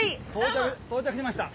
到着しました。